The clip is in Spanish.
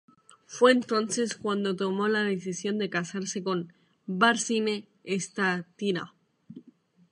Fue entonces cuando tomó la decisión de casarse con Barsine-Estatira.